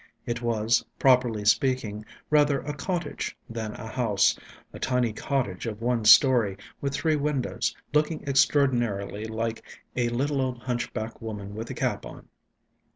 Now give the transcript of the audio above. It was, properly speaking, rather a cottage than a house a tiny cottage of one story, with three windows, looking extraordinarily like a little old hunchback woman with a cap on.